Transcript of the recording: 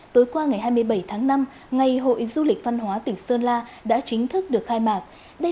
tối qua ngày hai mươi bảy tháng năm ngày hội du lịch văn hóa tỉnh sơn la đã chính thức được khai mạc